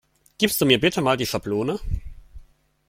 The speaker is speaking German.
Gibst du mir bitte mal die Schablone?